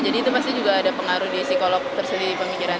jadi itu pasti juga ada pengaruh di psikolog tersedia di pemikiran